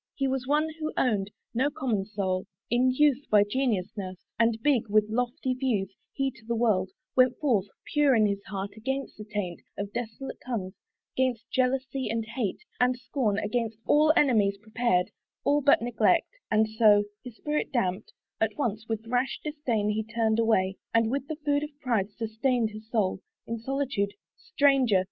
He was one who own'd No common soul. In youth, by genius nurs'd, And big with lofty views, he to the world Went forth, pure in his heart, against the taint Of dissolute tongues, 'gainst jealousy, and hate, And scorn, against all enemies prepared, All but neglect: and so, his spirit damped At once, with rash disdain he turned away, And with the food of pride sustained his soul In solitude. Stranger!